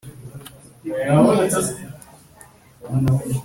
yayiteranije na magana arindwi